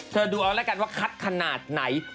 ดูเอาแล้วกันว่าคัดขนาดไหน